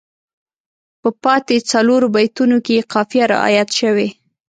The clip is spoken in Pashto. په پاتې څلورو بیتونو کې یې قافیه رعایت شوې.